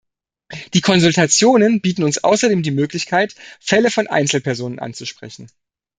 Die Konsultationen bieten uns außerdem die Möglichkeit Fälle von Einzelpersonen anzusprechen.